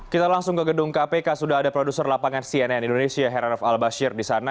kita langsung ke gedung kpk sudah ada produser lapangan cnn indonesia heranov al bashir di sana